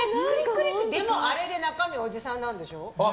でも、あれで中身おじさんなんでしょ？